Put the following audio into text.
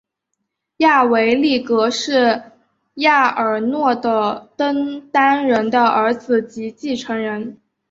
亚维力格是亚尔诺的登丹人的儿子及继承人。